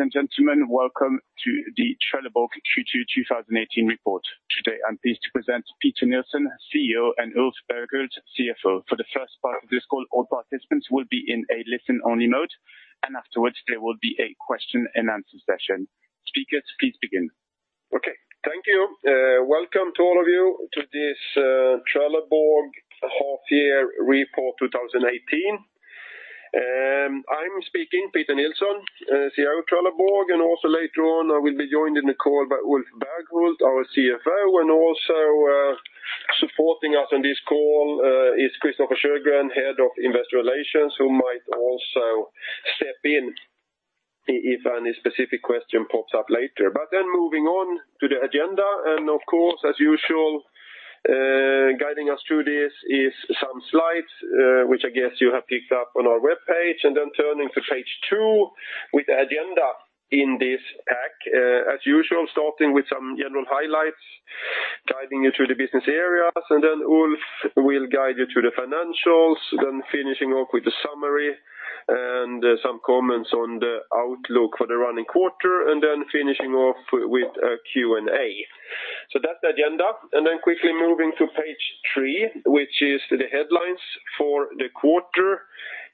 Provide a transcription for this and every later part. Ladies and gentlemen, welcome to the Trelleborg Q2 2018 report. Today, I'm pleased to present Peter Nilsson, CEO, and Ulf Berghult, CFO. For the first part of this call, all participants will be in a listen-only mode. Afterwards, there will be a question-and-answer session. Speakers, please begin. Okay. Thank you. Welcome to all of you to this Trelleborg half year report 2018. I'm speaking, Peter Nilsson, CEO of Trelleborg. Later on, I will be joined in the call by Ulf Berghult, our CFO. Also supporting us on this call is Christofer Sjögren, Head of Investor Relations, who might also step in if any specific question pops up later. Moving on to the agenda, of course, as usual, guiding us through this is some slides, which I guess you have picked up on our webpage. Turning to page two with the agenda in this pack. As usual, starting with some general highlights, guiding you through the business areas. Ulf will guide you through the financials. Finishing off with a summary and some comments on the outlook for the running quarter. Finishing off with a Q&A. That's the agenda. Quickly moving to page three, which is the headlines for the quarter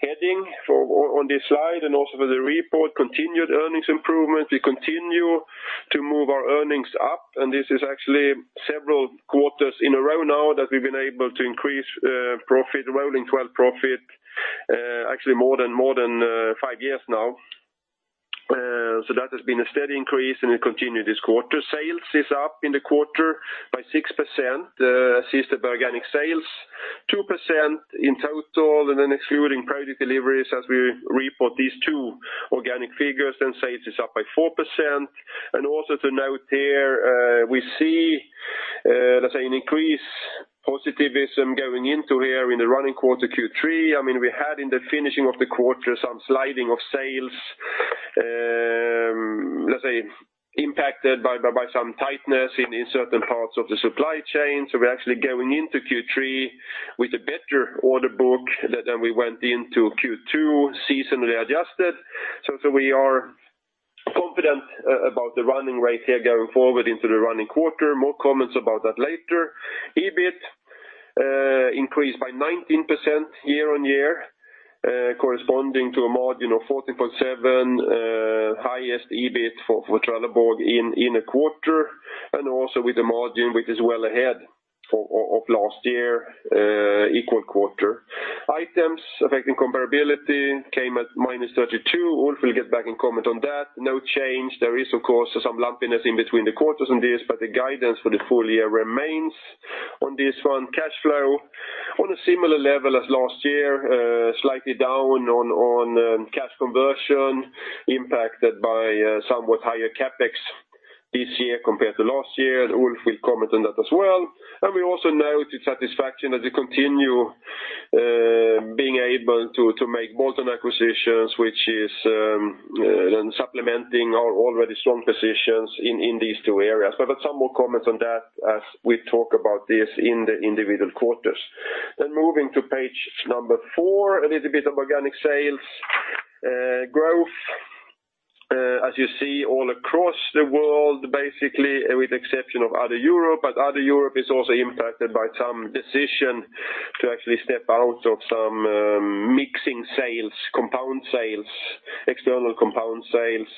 heading on this slide and also for the report, continued earnings improvement. We continue to move our earnings up, and this is actually several quarters in a row now that we've been able to increase profit, rolling 12 profit, actually more than five years now. That has been a steady increase, and it continued this quarter. Sales is up in the quarter by 6%, assisted by organic sales, 2% in total. Excluding project deliveries as we report these two organic figures, sales is up by 4%. Also to note here, we see, let's say, an increased positivism going into here in the running quarter, Q3. We had in the finishing of the quarter some sliding of sales, let's say, impacted by some tightness in certain parts of the supply chain. We're actually going into Q3 with a better order book than we went into Q2 seasonally adjusted. We are confident about the running rate here going forward into the running quarter. More comments about that later. EBIT increased by 19% year-on-year, corresponding to a margin of 14.7%, highest EBIT for Trelleborg in a quarter, also with a margin which is well ahead of last year, equal quarter. Items affecting comparability came at -32. Ulf will get back and comment on that. No change. There is, of course, some lumpiness in between the quarters on this. The guidance for the full year remains on this one. Cash flow, on a similar level as last year, slightly down on cash conversion, impacted by somewhat higher CapEx this year compared to last year. Ulf will comment on that as well. We also note with satisfaction that we continue being able to make bolt-on acquisitions, which is then supplementing our already strong positions in these two areas. I've got some more comments on that as we talk about this in the individual quarters. Moving to page 4, a little bit of organic sales growth. As you see all across the world, basically, with the exception of Other Europe, but Other Europe is also impacted by some decision to actually step out of some mixing sales, compound sales, external compound sales,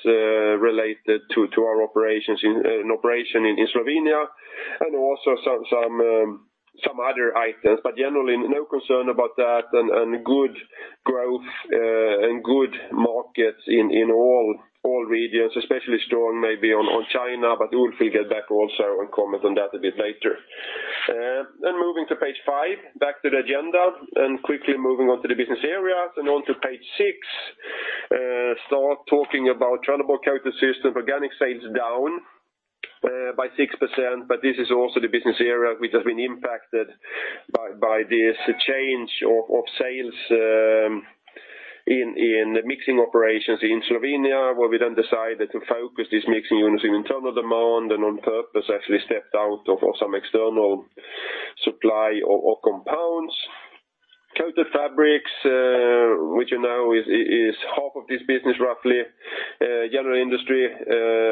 related to our operation in Slovenia and also some other items. Generally, no concern about that and good growth and good markets in all regions, especially strong maybe on China. Ulf will get back also and comment on that a bit later. Moving to page 5, back to the agenda, and quickly moving on to the business areas and on to page 6. Start talking about Trelleborg Coated Systems. Organic sales down by 6%, but this is also the business area which has been impacted by this change of sales in the mixing operations in Slovenia, where we then decided to focus this mixing unit in internal demand and on purpose, actually stepped out of some external supply of compounds. Coated fabrics, which you know is half of this business, roughly. General industry,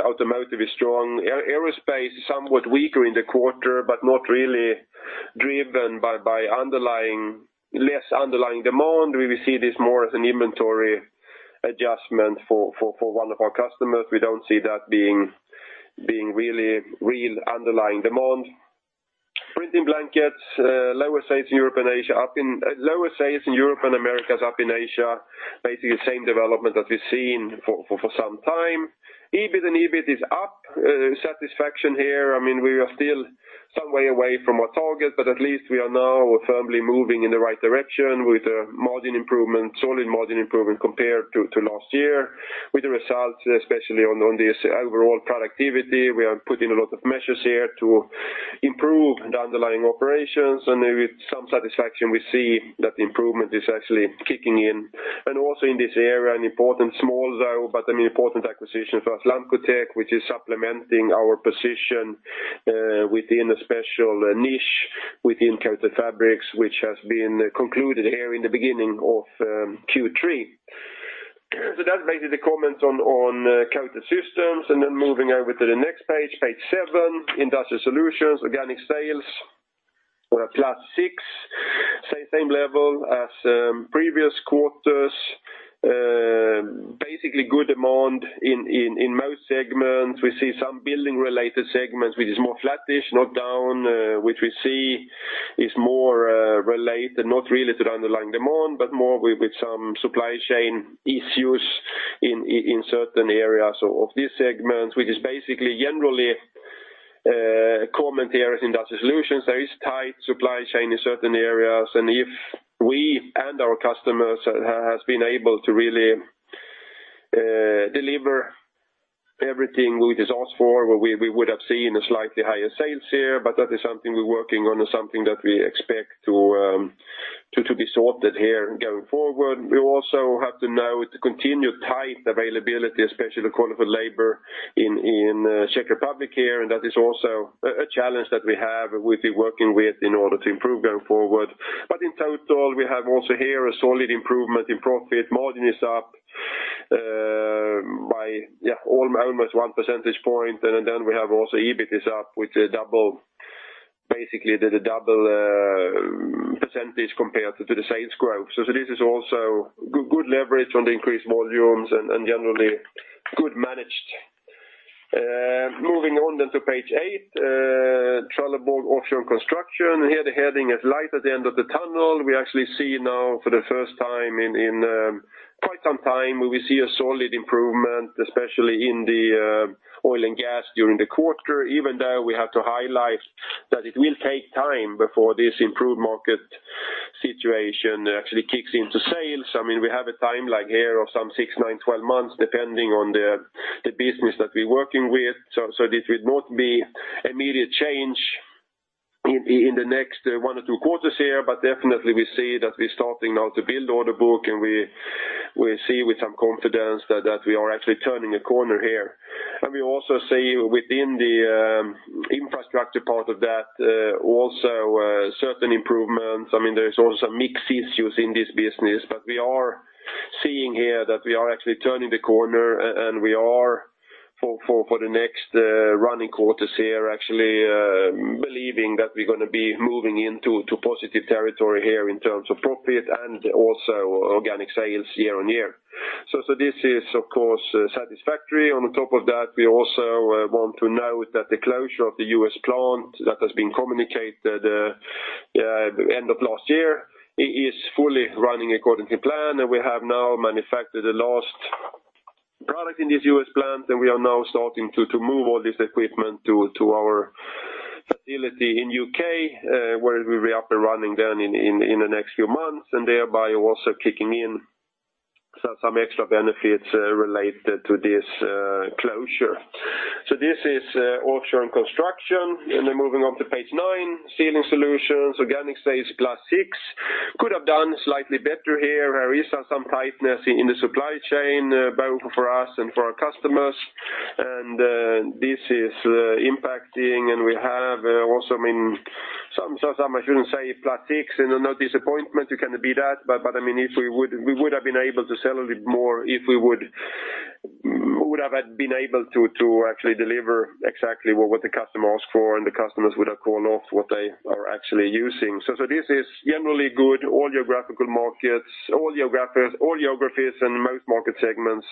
automotive is strong. Aerospace is somewhat weaker in the quarter, but not really driven by less underlying demand. We see this more as an inventory adjustment for one of our customers. We don't see that being real underlying demand. Printing blankets, lower sales in Europe and Americas, up in Asia. Basically the same development that we've seen for some time. EBIT is up. Satisfaction here, we are still some way away from our target, but at least we are now firmly moving in the right direction with a margin improvement, solid margin improvement compared to last year, with the results, especially on this overall productivity. We are putting a lot of measures here to improve the underlying operations, and with some satisfaction, we see that the improvement is actually kicking in. Also in this area, an important, small though, but an important acquisition for us, Lamcotec, which is supplementing our position within a special niche within coated fabrics, which has been concluded here in the beginning of Q3. That's basically the comments on Coated Systems. Moving over to the next page 7, Industrial Solutions, organic sales are +6%, same level as previous quarters. Basically good demand in most segments. We see some building-related segments, which is more flattish, not down, which we see is more related, not really to the underlying demand, but more with some supply chain issues in certain areas of this segment, which is basically generally a common area in Industrial Solutions. There is tight supply chain in certain areas. If we and our customers have been able to really deliver everything which is asked for, we would have seen a slightly higher sales here. That is something we're working on and something that we expect to be sorted here going forward. We also have to note the continued tight availability, especially the qualified labor in Czech Republic here. That is also a challenge that we've been working with in order to improve going forward. In total, we have also here a solid improvement in profit. Margin is up by almost one percentage point. We have also EBIT is up basically the double percentage compared to the sales growth. This is also good leverage on the increased volumes and generally good managed. Moving on to page eight, Trelleborg Offshore & Construction. Here the heading is light at the end of the tunnel. We actually see now for the first time in quite some time, we see a solid improvement, especially in the oil and gas during the quarter, even though we have to highlight that it will take time before this improved market situation actually kicks into sales. We have a timeline here of some six, nine, 12 months, depending on the business that we're working with. This would not be immediate change in the next one or two quarters here, but definitely we see that we're starting now to build order book. We see with some confidence that we are actually turning a corner here. We also see within the infrastructure part of that, also certain improvements. There is also some mixed issues in this business. We are seeing here that we are actually turning the corner. We are, for the next running quarters here, actually believing that we're going to be moving into positive territory here in terms of profit and also organic sales year-over-year. This is, of course, satisfactory. On top of that, we also want to note that the closure of the U.S. plant that has been communicated end of last year is fully running according to plan. We have now manufactured the last product in this U.S. plant. We are now starting to move all this equipment to our facility in U.K., where we'll be up and running then in the next few months, thereby also kicking in some extra benefits related to this closure. This is Offshore & Construction. Moving on to page nine, Sealing Solutions, organic sales +6. Could have done slightly better here. There is some tightness in the supply chain, both for us and for our customers. This is impacting. We have also some, I shouldn't say +6 and no disappointment, it cannot be that. If we would have been able to sell a little bit more, if we would have been able to actually deliver exactly what the customer asked for, the customers would have called off what they are actually using. This is generally good all geographical markets, all geographies and most market segments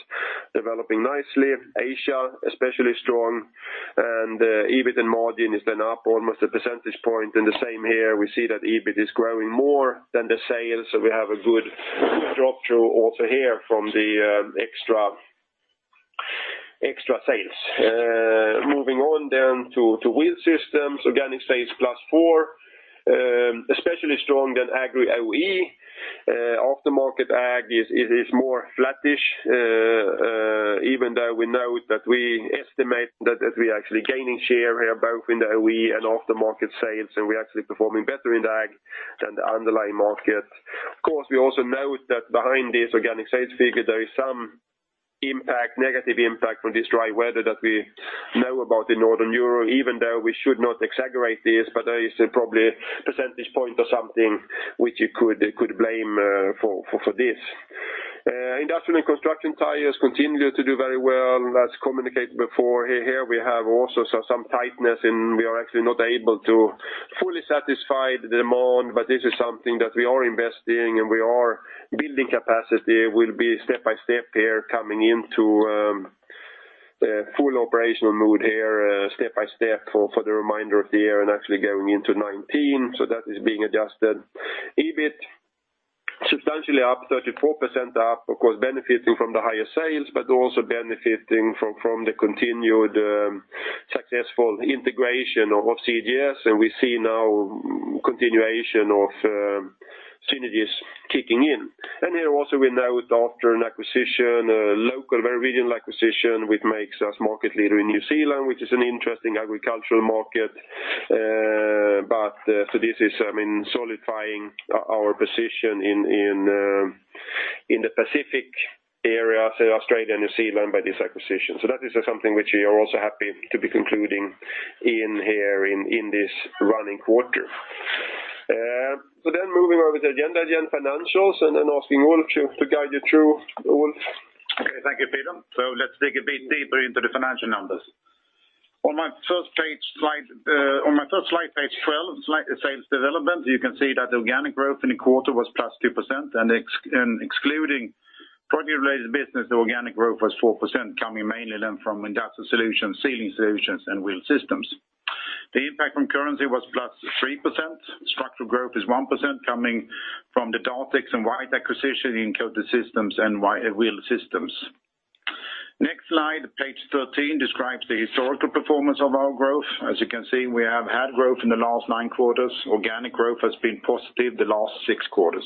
developing nicely. Asia, especially strong. EBIT and margin is up almost a percentage point. The same here, we see that EBIT is growing more than the sales, so we have a good drop-through also here from the extra sales. Wheel Systems, organic sales +4%, especially strong in Agri OE. Aftermarket ag is more flattish, even though we note that we estimate that we are actually gaining share here, both in the OE and aftermarket sales, and we're actually performing better in ag than the underlying market. We also note that behind this organic sales figure, there is some negative impact from this dry weather that we know about in Northern Europe, even though we should not exaggerate this, but there is probably a percentage point or something which you could blame for this. Industrial and Construction Tires continue to do very well. Here we have also some tightness. We are actually not able to fully satisfy the demand, but this is something that we are investing in. We are building capacity, will be step by step here coming into full operational mode here, step by step for the remainder of the year and actually going into 2019. That is being adjusted. EBIT, substantially up 34% up, benefiting from the higher sales, but also benefiting from the continued successful integration of CGS. We see now continuation of synergies kicking in. Here also we note after an acquisition, a local, very regional acquisition, which makes us market leader in New Zealand, which is an interesting agricultural market. This is solidifying our position in the Pacific area, say Australia and New Zealand by this acquisition. That is something which we are also happy to be concluding in here in this running quarter. Moving over the agenda, again, financials, asking Ulf to guide you through. Ulf? Thank you, Peter. Let's dig a bit deeper into the financial numbers. On my first slide, page 12, slide sales development, you can see that organic growth in the quarter was +2%. Excluding project-related business, the organic growth was 4%, coming mainly from Industrial Solutions, Trelleborg Sealing Solutions, and Wheel Systems. The impact from currency was +3%. Structural growth is 1%, coming from the Dartex and White acquisition in Coated Systems and Wheel Systems. Next slide, page 13, describes the historical performance of our growth. As you can see, we have had growth in the last nine quarters. Organic growth has been positive the last six quarters.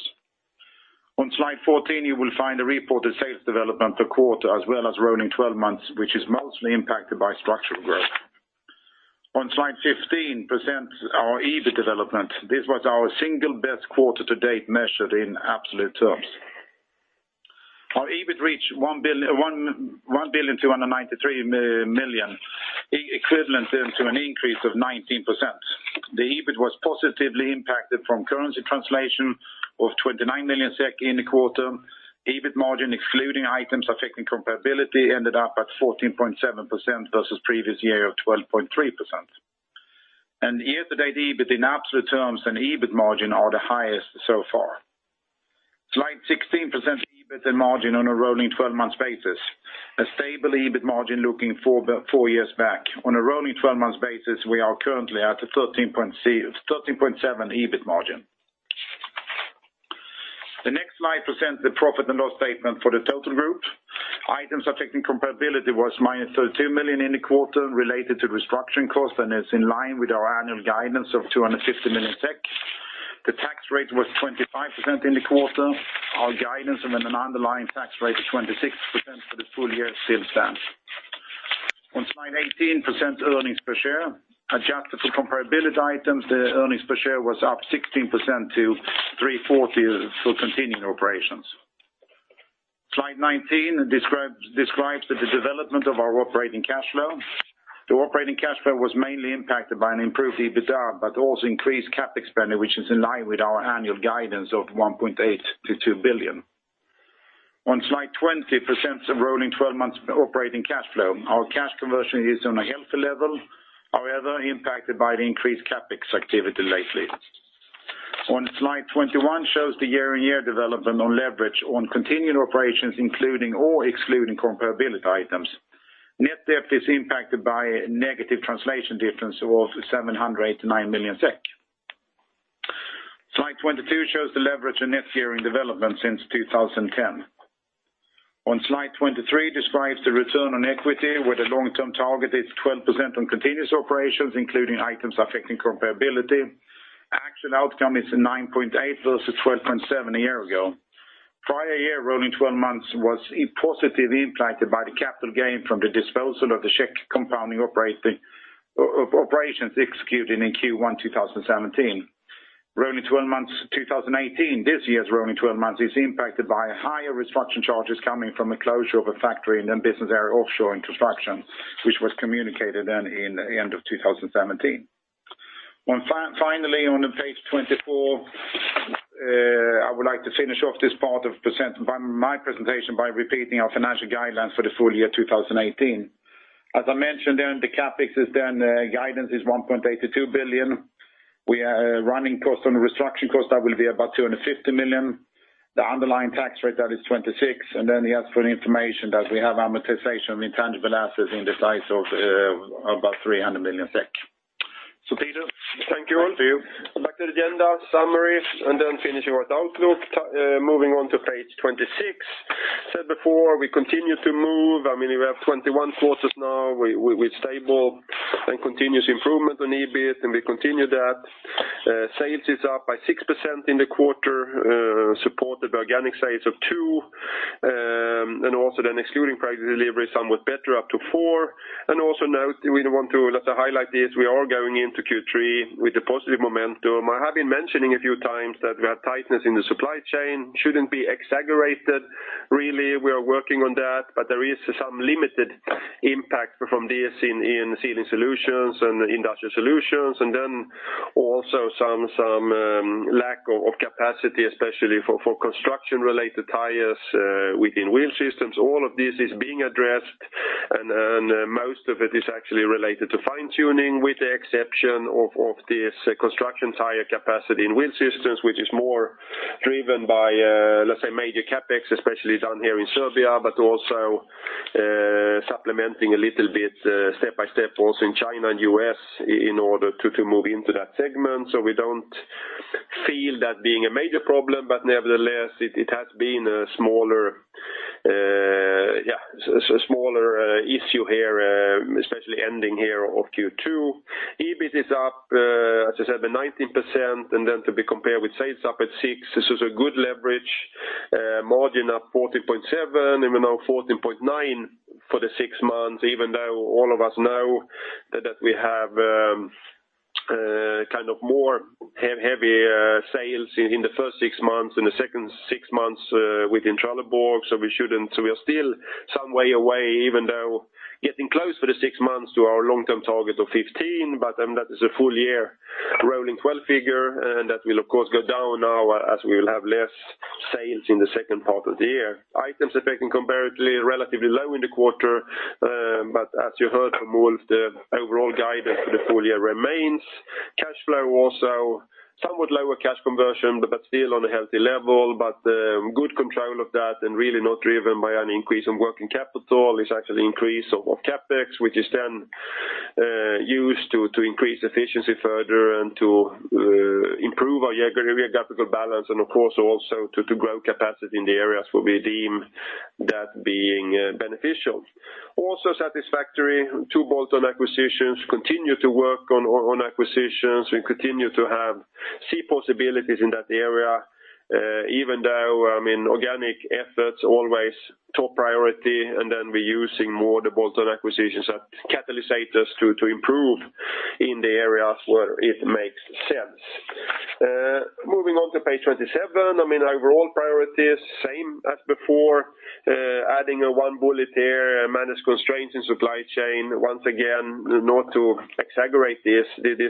On slide 14, you will find the reported sales development the quarter, as well as rolling 12 months, which is mostly impacted by structural growth. On slide 15 presents our EBIT development. This was our single best quarter to date, measured in absolute terms. Our EBIT reached 1,293 million, equivalent then to an increase of 19%. The EBIT was positively impacted from currency translation of 29 million SEK in the quarter. EBIT margin, excluding items affecting comparability, ended up at 14.7% versus the previous year of 12.3%. Year to date, the EBIT in absolute terms and EBIT margin are the highest so far. Slide 16% EBIT and margin on a rolling 12-months basis. A stable EBIT margin looking four years back. On a rolling 12 months basis, we are currently at a 13.7% EBIT margin. The next slide presents the profit and loss statement for the total group. Items affecting comparability was minus 32 million in the quarter related to the restructuring cost and is in line with our annual guidance of 250 million. The tax rate was 25% in the quarter. Our guidance on an underlying tax rate of 26% for the full year still stands. On slide 18, percent earnings per share. Adjusted for comparability items, the earnings per share was up 16% to 3.40 for continuing operations. Slide 19 describes the development of our operating cash flow. The operating cash flow was mainly impacted by an improved EBITDA, but also increased CapEx spending, which is in line with our annual guidance of 1.8 billion to 2 billion. On slide 20, presents a rolling 12 months operating cash flow. Our cash conversion is on a healthy level, however, impacted by the increased CapEx activity lately. Slide 21 shows the year-on-year development on leverage on continuing operations, including or excluding comparability items. Net debt is impacted by a negative translation difference of 709 million SEK. Slide 22 shows the leverage in net gearing development since 2010. Slide 23 describes the return on equity, where the long-term target is 12% on continuous operations, including items affecting comparability. Actual outcome is 9.8% versus 12.7% a year ago. Prior year rolling 12 months was positively impacted by the capital gain from the disposal of the Czech compounding operations executed in Q1 2017. This year's rolling 12 months is impacted by higher restructuring charges coming from the closure of a factory in the business area Trelleborg Offshore & Construction, which was communicated then in the end of 2017. Finally, on page 24, I would like to finish off this part of my presentation by repeating our financial guidelines for the full year 2018. As I mentioned, the CapEx guidance is 1.8 billion to 2 billion. We are running costs on the restructuring cost, that will be about 250 million. The underlying tax rate, that is 26%. The as for information that we have amortization of intangible assets in the size of about 300 million SEK. Peter over to you. Thank you, Ulf. Back to the agenda, summary, finishing with outlook. Moving on to page 26. Said before, we continue to move. We have 21 quarters now. We're stable and continuous improvement on EBIT, we continue that. Sales is up by 6% in the quarter, supported by organic sales of two. Excluding project delivery, somewhat better up to four. Note, we want to highlight this, we are going into Q3 with a positive momentum. I have been mentioning a few times that we have tightness in the supply chain. Shouldn't be exaggerated, really. We are working on that, but there is some limited impact from this in Sealing Solutions and Industrial Solutions. Also some lack of capacity, especially for construction-related tires within Wheel Systems. All of this is being addressed, most of it is actually related to fine-tuning, with the exception of this construction tire capacity in Wheel Systems, which is more driven by, let's say, major CapEx, especially down here in Serbia, but also supplementing a little bit step by step also in China and U.S. in order to move into that segment. We don't feel that being a major problem, but nevertheless, it has been a smaller issue here, especially ending here of Q2. EBIT is up, as I said, by 19%, to be compared with sales up at six. This is a good leverage. Margin up 14.7, even now 14.9 for the six months, even though all of us know that we have kind of more heavier sales in the first six months, in the second six months within Trelleborg. We are still some way away, even though getting close for the six months to our long-term target of 15, but that is a full year rolling 12 figure, that will of course go down now as we will have less sales in the second part of the year. Items affecting comparability are relatively low in the quarter, but as you heard from Ulf, the overall guidance for the full year remains. Cash flow also, somewhat lower cash conversion, but still on a healthy level, but good control of that and really not driven by an increase in working capital. It's actually increase of CapEx, which is then used to increase efficiency further and to improve our geographical balance and of course also to grow capacity in the areas where we deem that being beneficial. Also satisfactory, two bolt-on acquisitions continue to work on acquisitions. We continue to see possibilities in that area, even though organic efforts always top priority, we're using more the bolt-on acquisitions as catalysts to improve in the areas where it makes sense. Moving on to page 27, overall priorities, same as before, adding one bullet there, manage constraints in supply chain. Once again, not to exaggerate this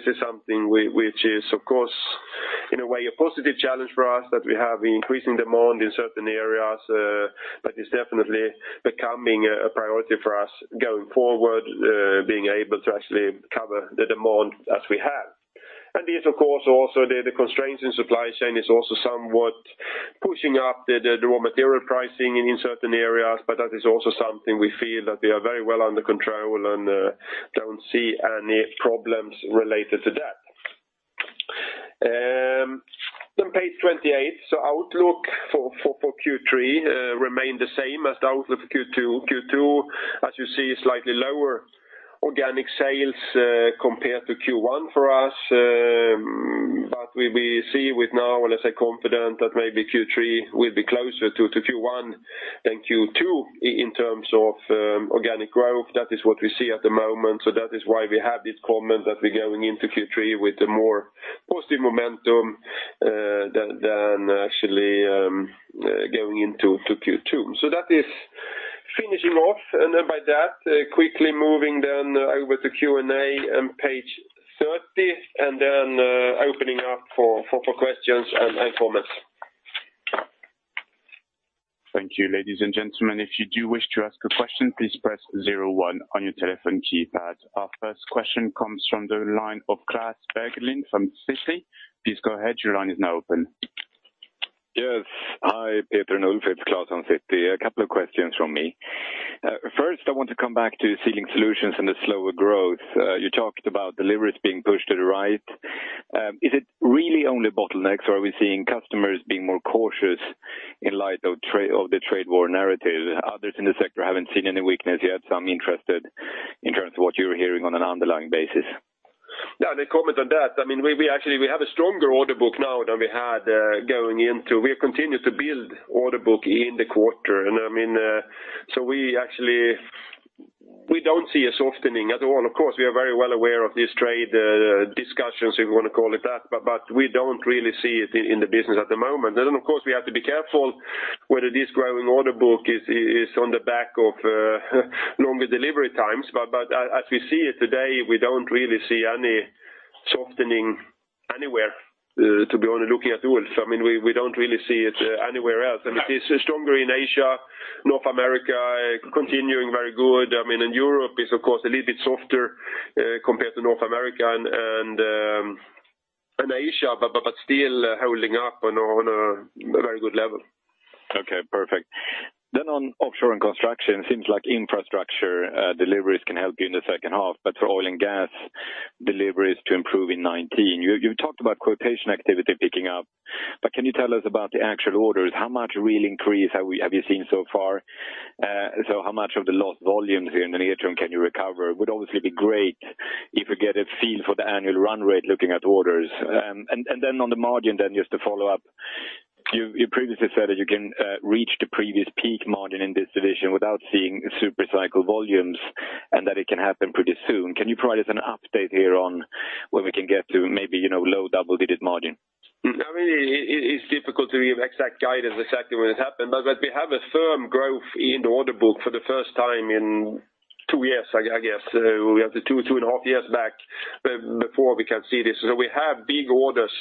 is something which is of course, in a way, a positive challenge for us that we have increasing demand in certain areas, but it's definitely becoming a priority for us going forward, being able to actually cover the demand as we have. These, of course, also the constraints in supply chain is also somewhat pushing up the raw material pricing in certain areas, but that is also something we feel that we are very well under control and don't see any problems related to that. Page 228, outlook for Q3 remain the same as the outlook for Q2. Q2, as you see, slightly lower organic sales compared to Q1 for us, but we see with now, let's say, confidence that maybe Q3 will be closer to Q1 than Q2 in terms of organic growth. That is what we see at the moment. That is why we have this comment that we're going into Q3 with a more positive momentum than actually going into Q2. That is finishing off, and by that, quickly moving over to Q&A on page 30, and opening up for questions and comments. Thank you, ladies and gentlemen. If you do wish to ask a question, please press 01 on your telephone keypad. Our first question comes from the line of Claes Berglund from Citi. Please go ahead, your line is now open. Yes. Hi, Peter and Ulf. It's Claes on Citi. A couple of questions from me. First, I want to come back to Sealing Solutions and the slower growth. You talked about deliveries being pushed to the right. Is it really only bottlenecks, or are we seeing customers being more cautious in light of the trade war narrative? Others in the sector haven't seen any weakness yet, I'm interested in terms of what you're hearing on an underlying basis. Yeah, the comment on that, we actually have a stronger order book now than we had. We have continued to build order book in the quarter. We don't see a softening at all. Of course, we are very well aware of these trade discussions, if you want to call it that, but we don't really see it in the business at the moment. Of course, we have to be careful whether this growing order book is on the back of longer delivery times. As we see it today, we don't really see any softening anywhere, to be honest, looking at Ulf. We don't really see it anywhere else. It is stronger in Asia, North America, continuing very good. Europe is, of course, a little bit softer compared to North America and Asia, but still holding up on a very good level. Okay, perfect. On Trelleborg Offshore & Construction, seems like infrastructure deliveries can help you in the second half, but for oil and gas deliveries to improve in 2019. You talked about quotation activity picking up, but can you tell us about the actual orders? How much real increase have you seen so far? How much of the lost volumes in the near term can you recover? Would obviously be great if we get a feel for the annual run rate looking at orders. On the margin then, just to follow up, you previously said that you can reach the previous peak margin in this division without seeing super cycle volumes and that it can happen pretty soon. Can you provide us an update here on when we can get to maybe low double-digit margin? It's difficult to give exact guidance exactly when it happened, but we have a firm growth in the order book for the first time in two years, I guess. We have the two and a half years back before we can see this. We have big orders.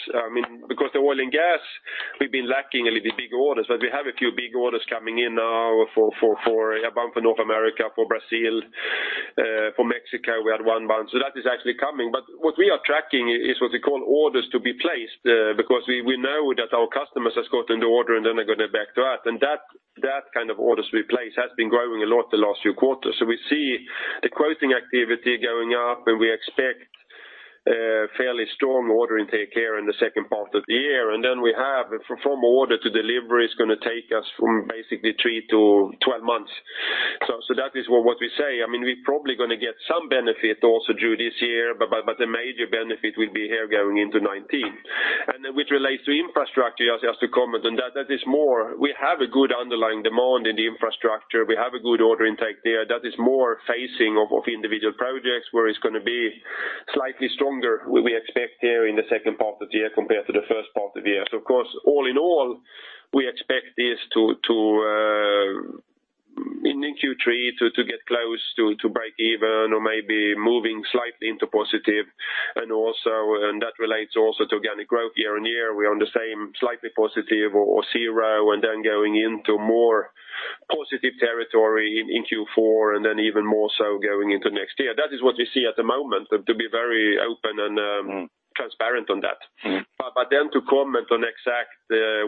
Because the oil and gas, we've been lacking a little bit bigger orders, but we have a few big orders coming in now for a bump in North America, for Brazil, for Mexico, we had one. That is actually coming. But what we are tracking is what we call orders to be placed, because we know that our customers has gotten the order and then they're going to get back to us. That kind of orders we place has been growing a lot the last few quarters. We see the quoting activity going up, we expect fairly strong order intake here in the second part of the year. We have from order to delivery is going to take us from basically 3 to 12 months. That is what we say. We're probably going to get some benefit also due this year, but the major benefit will be here going into 2019. Which relates to infrastructure, just to comment on that is more, we have a good underlying demand in the infrastructure. We have a good order intake there. That is more phasing of individual projects where it's going to be slightly stronger we expect here in the second part of the year compared to the first part of the year. Of course, all in all, we expect this in Q3 to get close to break even or maybe moving slightly into positive. That relates also to organic growth year-over-year. We are on the same slightly positive or zero and then going into more positive territory in Q4 and then even more so going into next year. That is what we see at the moment, to be very open and transparent on that. To comment on exact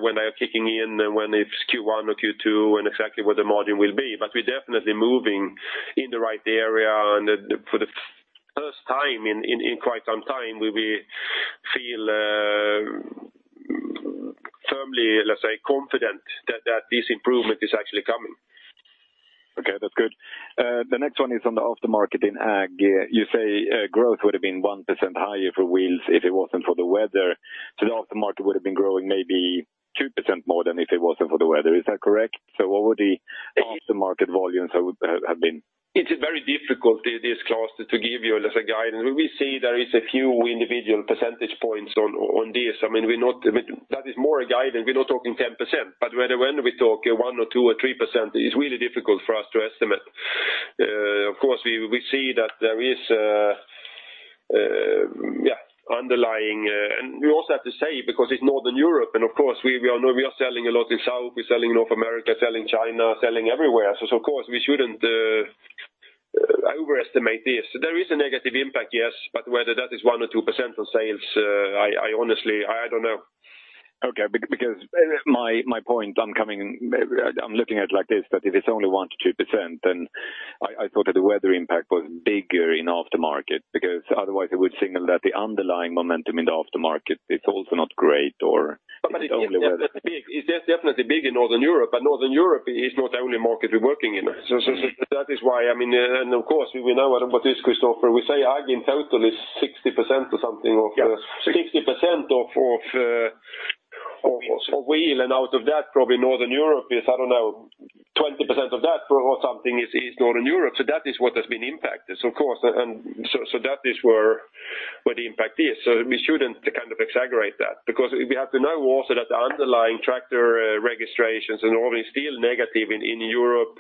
when they are kicking in, when it's Q1 or Q2 and exactly what the margin will be, we're definitely moving in the right area and for the first time in quite some time, we feel firmly, let's say, confident that this improvement is actually coming. Okay, that's good. The next one is on the aftermarket in ag. You say growth would have been 1% higher for wheels if it wasn't for the weather. The aftermarket would have been growing maybe 2% more than if it wasn't for the weather. Is that correct? What would the aftermarket volumes have been? It is very difficult, Claes, to give you as a guidance. We see there is a few individual percentage points on this. That is more a guidance. We're not talking 10%, but when we talk 1 or 2 or 3%, it's really difficult for us to estimate. Of course, we see that there is underlying, and we also have to say because it's Northern Europe and of course we are selling a lot in South, we're selling North America, selling China, selling everywhere. Of course, we shouldn't overestimate this. There is a negative impact, yes, but whether that is 1 or 2% on sales, I honestly don't know. Okay, my point I'm looking at it like this, that if it's only 1 to 2%, then I thought that the weather impact was bigger in aftermarket because otherwise it would signal that the underlying momentum in the aftermarket is also not great or it's only weather. It's just definitely big in Northern Europe, but Northern Europe is not the only market we're working in. Of course, we know about this, Christofer, we say ag in total is 60% or something. Yeah 60% of wheel and out of that probably Northern Europe is, I don't know, 20% of that or something is Northern Europe. That is what has been impacted, of course, and so that is where the impact is. We shouldn't kind of exaggerate that because we have to know also that the underlying tractor registrations are normally still negative in Europe,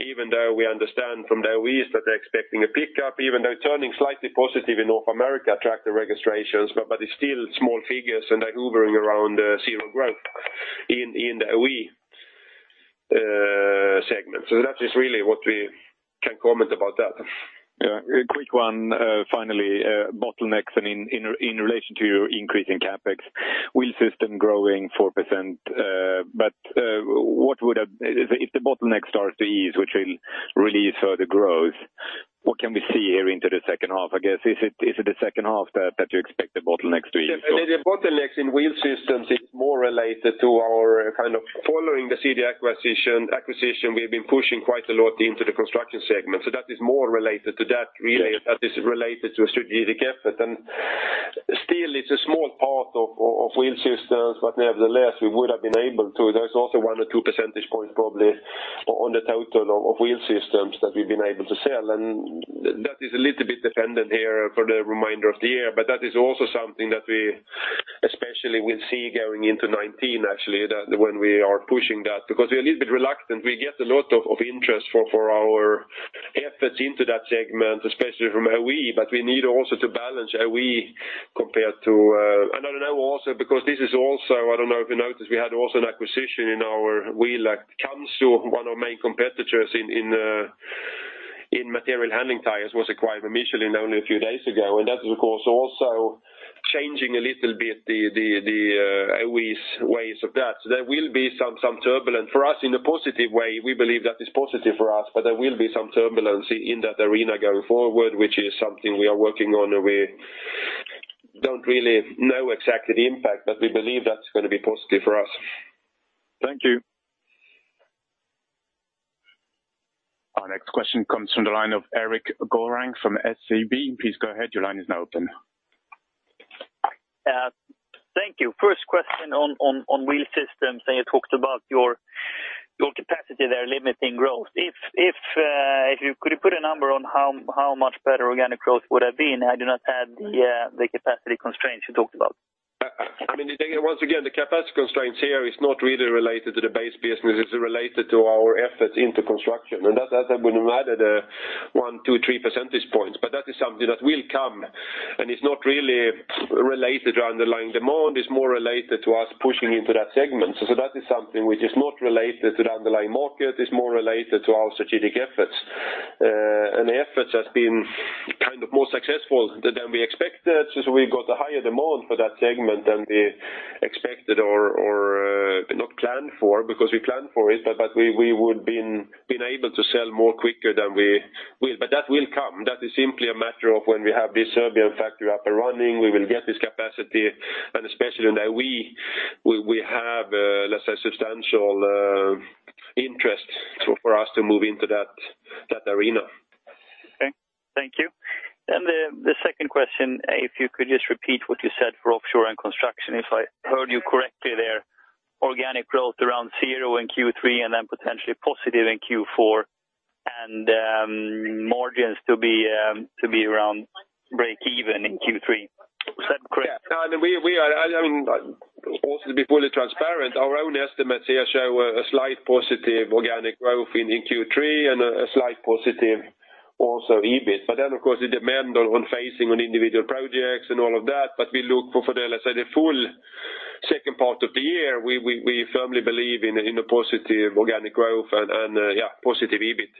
even though we understand from the OE that they're expecting a pickup, even though turning slightly positive in North America tractor registrations, but it's still small figures and they're hovering around zero growth in the OE segment. That is really what we can comment about that. A quick one, finally, bottlenecks and in relation to your increase in CapEx, Wheel Systems growing 4%, but if the bottleneck starts to ease, which will release further growth, what can we see here into the second half, I guess? Is it the second half that you expect the bottlenecks to ease? The bottlenecks in Wheel Systems is more related to our kind of following the ČGS acquisition we've been pushing quite a lot into the construction segment. That is more related to that really, that is related to a strategic effort and still it's a small part of Wheel Systems, but nevertheless there's also one or two percentage points probably on the total of Wheel Systems that we've been able to sell and that is a little bit dependent here for the remainder of the year. That is also something that we especially will see going into 2019 actually, when we are pushing that because we're a little bit reluctant. We get a lot of interest for our efforts into that segment, especially from OE, but we need also to balance OE compared to I don't know also because this is also, I don't know if you noticed, we had also an acquisition in our wheel. Camso, one of our main competitors in material handling tires was acquired by Michelin only a few days ago. That is of course also changing a little bit the OE's ways of that. There will be some turbulence for us in a positive way. We believe that is positive for us, but there will be some turbulence in that arena going forward, which is something we are working on and we don't really know exactly the impact, but we believe that's going to be positive for us. Thank you. Our next question comes from the line of Erik Golrang from SEB. Please go ahead. Your line is now open. Thank you. First question on Wheel Systems. You talked about your capacity there limiting growth. If you could put a number on how much better organic growth would have been had you not had the capacity constraints you talked about? Once again, the capacity constraints here is not really related to the base business. It's related to our efforts into construction, and that would have added a one, two, three percentage points, but that is something that will come and it's not really related to underlying demand. It's more related to us pushing into that segment. That is something which is not related to the underlying market. It's more related to our strategic efforts. The efforts has been kind of more successful than we expected since we got a higher demand for that segment than we expected or not planned for because we planned for it, but we would been able to sell more quicker than we will, but that will come. That is simply a matter of when we have this Serbian factory up and running, we will get this capacity and especially in the OE we have, let's say substantial interest for us to move into that arena. Okay. Thank you. The second question, if you could just repeat what you said for Offshore & Construction, if I heard you correctly there Organic growth around zero in Q3 and then potentially positive in Q4, and margins to be around breakeven in Q3. Is that correct? Also to be fully transparent, our own estimates here show a slight positive organic growth in Q3 and a slight positive also EBIT. Of course, the demand on phasing on individual projects and all of that, but we look for the, let's say, the full second part of the year, we firmly believe in a positive organic growth and positive EBIT.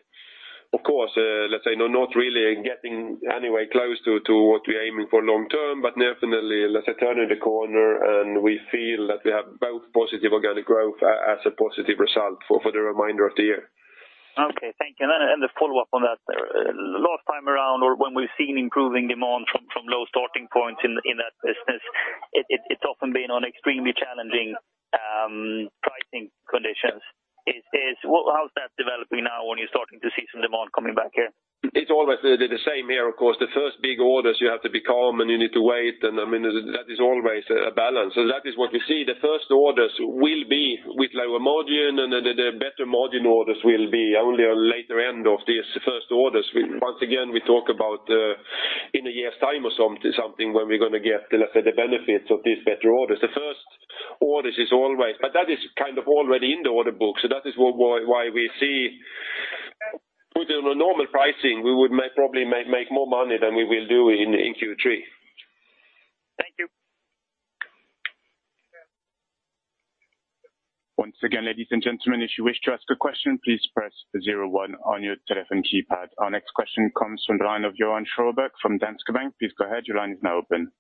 Of course, let's say, not really getting anywhere close to what we're aiming for long term, but definitely, let's say, turning the corner and we feel that we have both positive organic growth as a positive result for the remainder of the year. Okay. Thank you. The follow-up on that, last time around or when we've seen improving demand from low starting points in that business, it's often been on extremely challenging pricing conditions. How's that developing now when you're starting to see some demand coming back here? It's always the same here. Of course, the first big orders you have to be calm and you need to wait, and that is always a balance. That is what we see. The first orders will be with lower margin, and the better margin orders will be only on later end of these first orders. Once again, we talk about in a year's time or something when we're going to get the benefits of these better orders. The first orders is always. That is kind of already in the order book, that is why we see, put on a normal pricing, we would probably make more money than we will do in Q3. Thank you. Once again, ladies and gentlemen, if you wish to ask a question, please press 01 on your telephone keypad. Our next question comes from the line of Johan Sjöberg from Danske Bank. Please go ahead, your line is now open.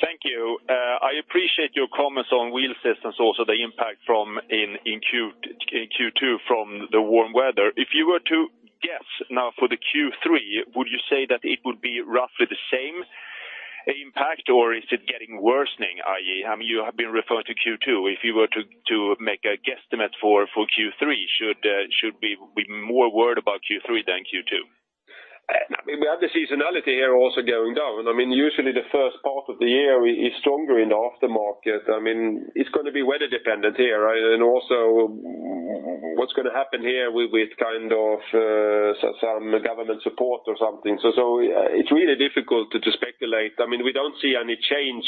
Thank you. I appreciate your comments on Wheel Systems, also the impact in Q2 from the warm weather. If you were to guess now for the Q3, would you say that it would be roughly the same impact or is it getting worsening, i.e., you have been referring to Q2. If you were to make a guesstimate for Q3, should we be more worried about Q3 than Q2? We have the seasonality here also going down. Usually the first part of the year is stronger in the aftermarket. It's going to be weather-dependent here, also what's going to happen here with some government support or something. It's really difficult to speculate. We don't see any change.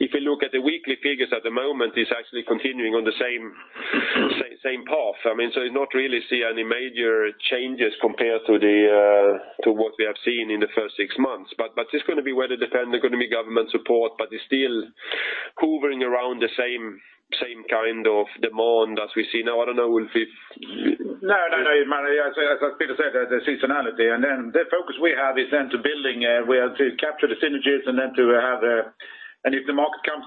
If you look at the weekly figures at the moment, it's actually continuing on the same path. You not really see any major changes compared to what we have seen in the first six months. It's going to be weather-dependent, there's going to be government support, it's still hovering around the same kind of demand as we see now. I don't know, Ulf, if No, as Peter said, the seasonality. The focus we have is to building, we have to capture the synergies. If the market comes,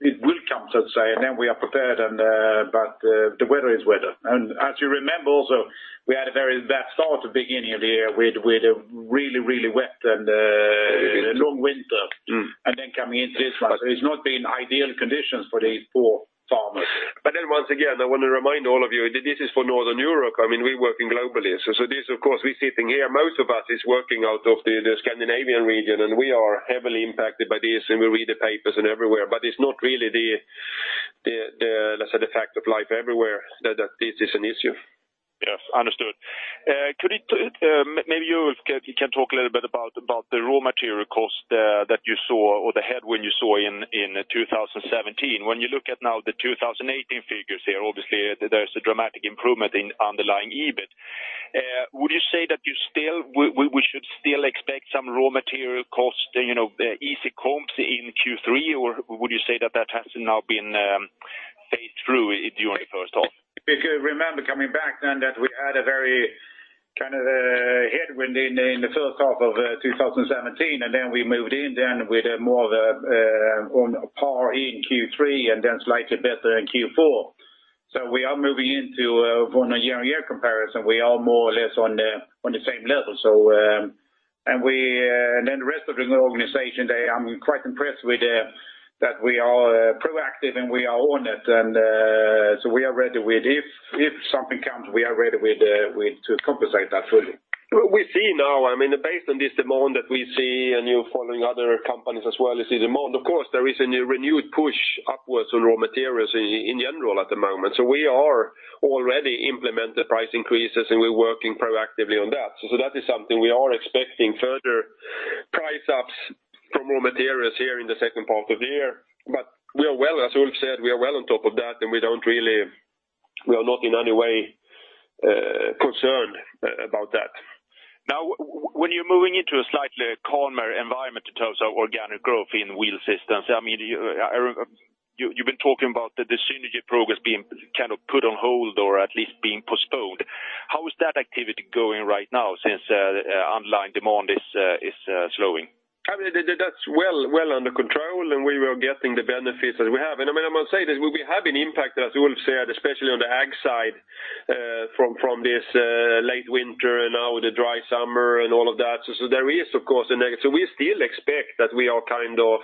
it will come, so to say, we are prepared. The weather is weather. As you remember also, we had a very bad start at the beginning of the year with a really wet and a long winter, coming into this one. It's not been ideal conditions for these poor farmers. Once again, I want to remind all of you, this is for Northern Europe. We're working globally. This, of course, we're sitting here, most of us is working out of the Scandinavian region, we are heavily impacted by this, we read the papers and everywhere, it's not really the, let's say, the fact of life everywhere that this is an issue. Yes. Understood. Maybe you, Ulf, can talk a little bit about the raw material cost that you saw or the headwind you saw in 2017. When you look at now the 2018 figures here, obviously, there's a dramatic improvement in underlying EBIT. Would you say that we should still expect some raw material cost, easy comps in Q3, or would you say that that has now been phased through during the first half? If you remember coming back then that we had a very kind of a headwind in the first half of 2017, then we moved in then with more of a par in Q3 and then slightly better in Q4. We are moving into, from a year-on-year comparison, we are more or less on the same level. The rest of the organization, I'm quite impressed with that we are proactive and we are on it. We are ready with if something comes, we are ready to compensate that fully. We see now, based on this demand that we see, and you're following other companies as well, you see demand. Of course, there is a renewed push upwards on raw materials in general at the moment. We are already implement the price increases, and we're working proactively on that. That is something we are expecting further price ups for raw materials here in the second part of the year. As Ulf said, we are well on top of that, and we are not in any way concerned about that. When you're moving into a slightly calmer environment in terms of organic growth in Wheel Systems, you've been talking about the synergy progress being kind of put on hold or at least being postponed. How is that activity going right now since underlying demand is slowing? That's well under control, we were getting the benefits that we have. I must say that we have an impact, as Ulf said, especially on the Ag side from this late winter and now the dry summer and all of that. We still expect that we are kind of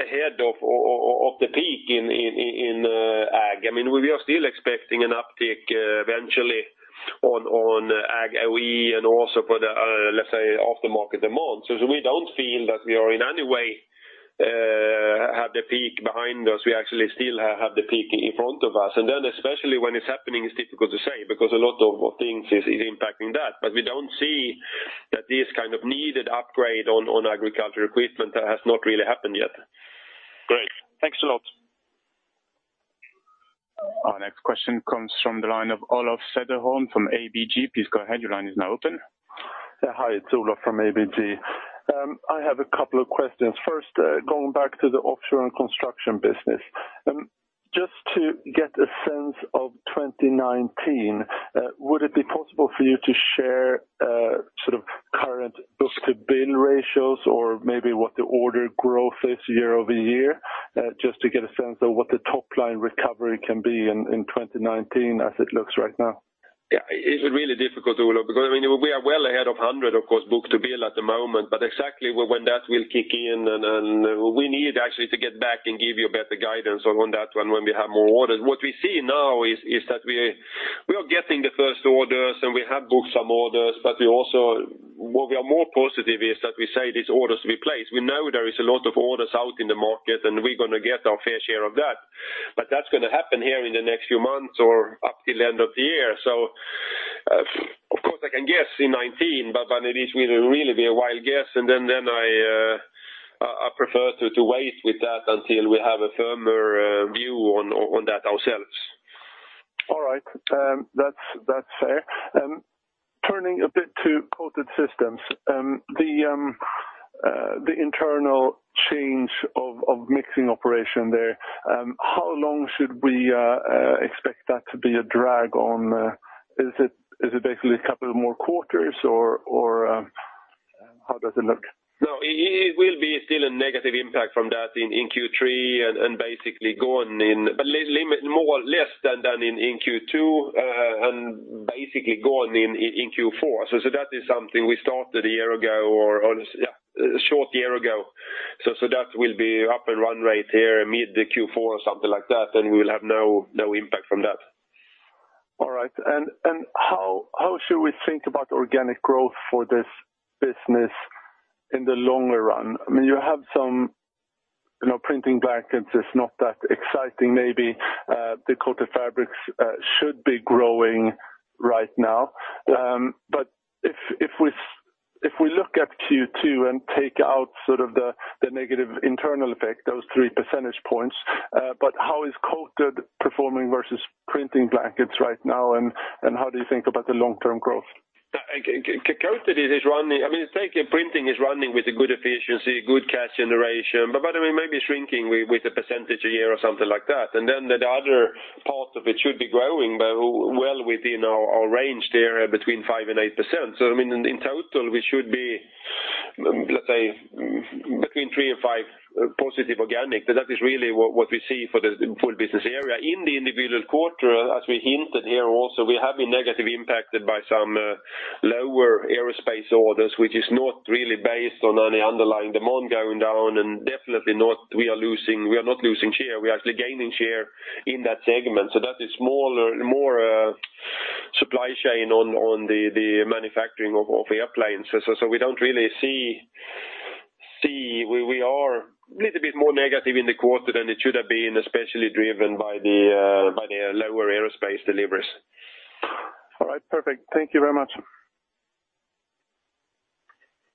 ahead of the peak in Ag. We are still expecting an uptick eventually on Ag OE and also for the, let's say, after-market demand. We don't feel that we are in any way have the peak behind us. We actually still have the peak in front of us. Especially when it's happening, it's difficult to say, because a lot of things is impacting that. We don't see that this kind of needed upgrade on agriculture equipment has not really happened yet. Great. Thanks a lot. Our next question comes from the line of Olof Cederholm from ABG. Please go ahead. Your line is now open. Yeah. Hi, it's Olof from ABG. I have a couple of questions. First, going back to the offshore and construction business. Just to get a sense of 2019, would it be possible for you to share sort of current book-to-bill ratios or maybe what the order growth is year-over-year, just to get a sense of what the top-line recovery can be in 2019 as it looks right now? Yeah. It's really difficult, Olof, because we are well ahead of 100, of course, book-to-bill at the moment. Exactly when that will kick in, and we need actually to get back and give you a better guidance on that one when we have more orders. What we see now is that we are getting the first orders, and we have booked some orders. What we are more positive is that we say these orders we place. We know there is a lot of orders out in the market, and we're going to get our fair share of that, but that's going to happen here in the next few months or up till end of the year. Of course I can guess in 2019, but it will really be a wild guess. I prefer to wait with that until we have a firmer view on that ourselves. All right. That's fair. Turning a bit to Coated Systems. The internal change of mixing operation there, how long should we expect that to be a drag on? Is it basically a couple more quarters or how does it look? It will be still a negative impact from that in Q3 and basically gone in, but more or less than in Q2 and basically gone in Q4. That is something we started a year ago or a short year ago. That will be up and run rate here mid Q4 or something like that, and we'll have no impact from that. All right. How should we think about organic growth for this business in the longer run? You have some printing blankets, it's not that exciting maybe. The coated fabrics should be growing right now. If we look at Q2 and take out sort of the negative internal effect, those three percentage points, but how is coated performing versus printing blankets right now, and how do you think about the long-term growth? Printing is running with a good efficiency, good cash generation, but maybe shrinking with a percentage a year or something like that. The other part of it should be growing, but well within our range there between 5% and 8%. In total, we should be, let's say, between three and five positive organic. That is really what we see for the full business area. In the individual quarter, as we hinted here also, we have been negatively impacted by some lower aerospace orders, which is not really based on any underlying demand going down and definitely we are not losing share. We are actually gaining share in that segment. That is more supply chain on the manufacturing of airplanes. We don't really see where we are. Little bit more negative in the quarter than it should have been, especially driven by the lower aerospace deliveries. All right. Perfect. Thank you very much.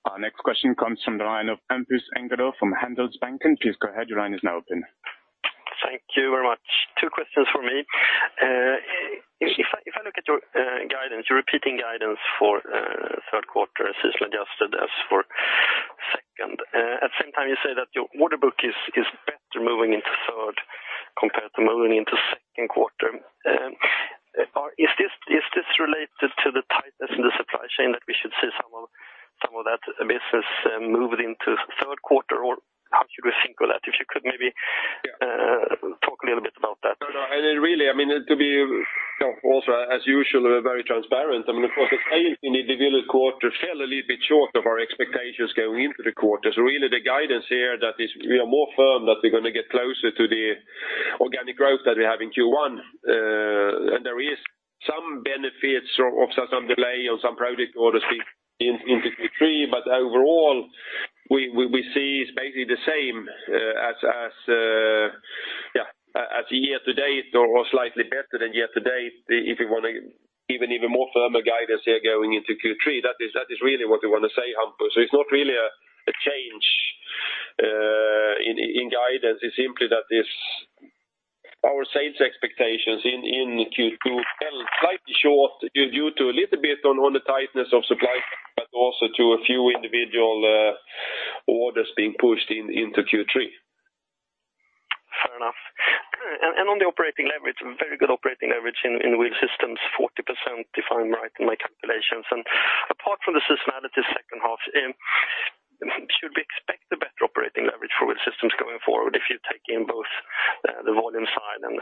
Our next question comes from the line of Hampus Engellau from Handelsbanken. Please go ahead. Your line is now open. Thank you very much. Two questions for me. If I look at your guidance, your repeating guidance for third quarter, [system adjusted] as for second. At the same time, you say that your order book is better moving into third compared to moving into second quarter. Is this related to the tightness in the supply chain that we should see some of that business moving into third quarter, or how should we think of that? If you could maybe talk a little bit about that. No, really, to be also, as usual, very transparent, the sales in the individual quarter fell a little bit short of our expectations going into the quarter. Really the guidance here that is we are more firm, that we're going to get closer to the organic growth that we have in Q1. There is some benefits of some delay on some product orders in Q3, but overall, we see it's basically the same as year-to-date or slightly better than year-to-date. If you want to give an even more firmer guidance here going into Q3, that is really what we want to say, Hampus. It's not really a change in guidance. It's simply that our sales expectations in Q2 fell slightly short due to a little bit on the tightness of supply, but also to a few individual orders being pushed into Q3. Fair enough. On the operating leverage, very good operating leverage in Wheel Systems, 40%, if I'm right in my calculations. Apart from the seasonality second half, should we expect a better operating leverage for Wheel Systems going forward if you take in both the volume side and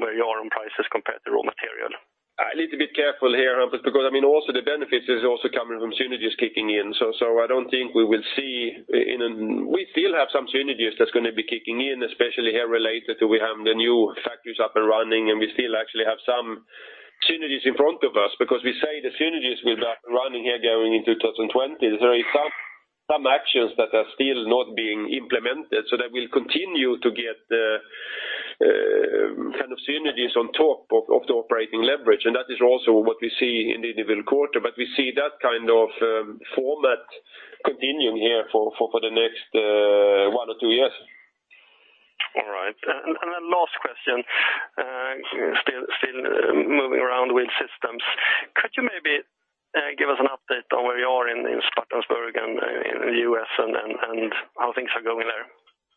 where you are on prices compared to raw material? A little bit careful here, Hampus, because also the benefits is also coming from synergies kicking in. I don't think we will see. We still have some synergies that's going to be kicking in, especially here related to we have the new factories up and running, and we still actually have some synergies in front of us because we say the synergies will be up and running here going into 2020. There are some actions that are still not being implemented. That we'll continue to get the kind of synergies on top of the operating leverage, and that is also what we see in the individual quarter. We see that kind of format continuing here for the next one or two years. All right. Then last question, still moving around with systems. Could you maybe give us an update on where you are in Spartanburg and in the U.S. and how things are going there?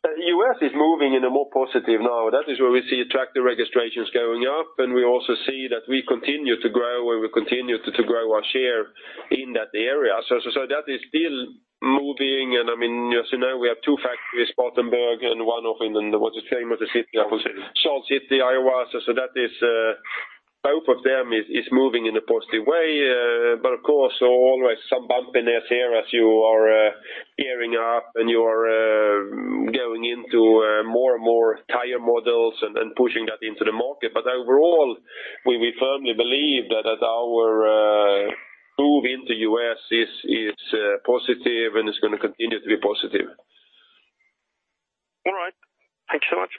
The U.S. is moving in a more positive now. That is where we see tractor registrations going up, and we also see that we continue to grow, and we continue to grow our share in that area. That is still moving, and as you know, we have two factories, Spartanburg and one open in, what's the name of the city? Slater. Slater, Iowa. Both of them is moving in a positive way. Of course, always some bumpiness here as you are gearing up and you are going into more and more tire models and pushing that into the market. Overall, we firmly believe that our move into U.S. is positive, and it's going to continue to be positive. All right. Thank you so much.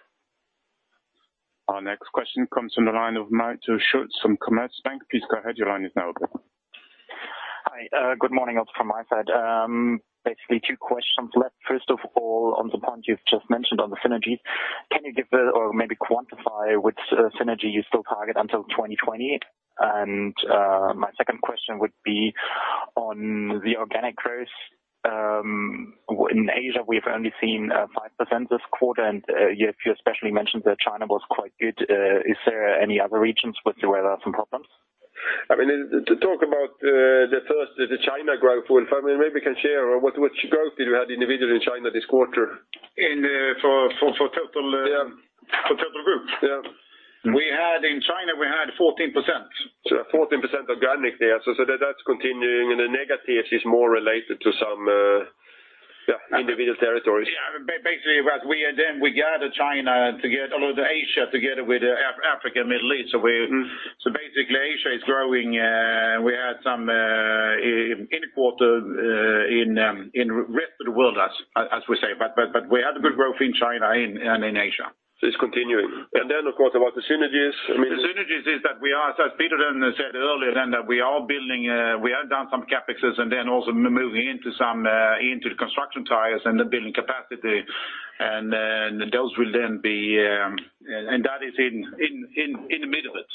Our next question comes from the line of Matthias Schulze from Commerzbank. Please go ahead, your line is now open. Hi, good morning also from my side. Basically two questions left. First of all, on the point you've just mentioned on the synergies, can you give or maybe quantify which synergy you still target until 2020? My second question would be on the organic growth. In Asia, we've only seen 5% this quarter, and you especially mentioned that China was quite good. Is there any other regions where there are some problems? To talk about the first, the China growth, Ulf, maybe you can share which growth did you have individually in China this quarter? For total group? Yeah. In China, we had 14%. 14% organic there. That's continuing, and the negative is more related to some individual territories. Yeah. Basically, we gather China, all of the Asia together with Africa and Middle East. Mm-hmm. Basically, Asia is growing. We had some in quarter in rest of the world, as we say, but we had a good growth in China and in Asia. It's continuing. Then, of course, about the synergies. The synergies is that we are, as Peter then said earlier, that we are building, we have done some CapExes and then also moving into the construction tires and the building capacity, and those will then be. That is in the middle of it.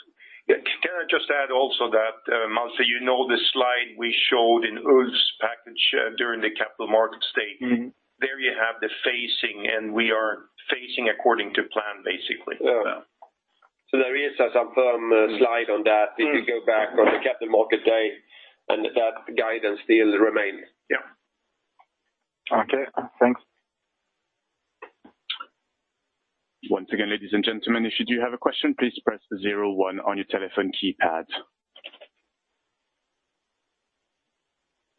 Can I just add also that, Matthias, you know the slide we showed in Ulf's package during the capital market day? There you have the phasing, we are phasing according to plan, basically. There is some firm slide on that if you go back on the capital market day, and that guidance still remains. Yeah. Okay. Thanks. Once again, ladies and gentlemen, if you do have a question, please press 01 on your telephone keypad.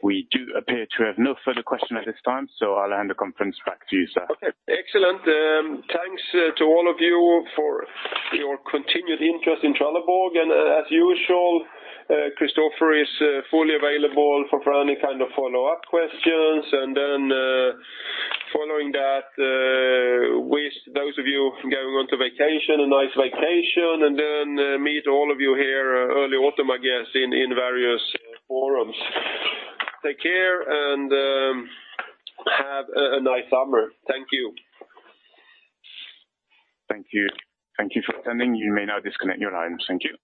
We do appear to have no further question at this time, I'll hand the conference back to you, sir. Okay. Excellent. Thanks to all of you for your continued interest in Trelleborg. As usual, Christofer is fully available for any kind of follow-up questions. Following that, wish those of you going on to vacation, a nice vacation, and then meet all of you here early autumn, I guess, in various forums. Take care and have a nice summer. Thank you. Thank you. Thank you for attending. You may now disconnect your lines. Thank you.